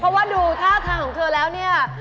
เพราะว่าดูท่าทางของเธอแล้วเนี่ย